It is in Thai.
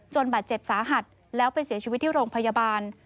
บาดเจ็บสาหัสแล้วไปเสียชีวิตที่โรงพยาบาล